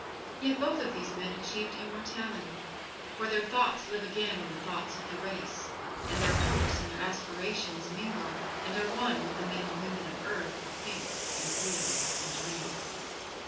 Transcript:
Yet both of these men achieved immortality, for their thoughts live again in the thoughts of the race, and their hopes and their aspirations mingle and are one with the men and women of earth who think and feel and dream.